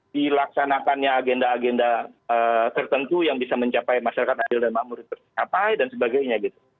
dilaksanakannya agenda agenda tertentu yang bisa mencapai masyarakat adil dan makmur tercapai dan sebagainya gitu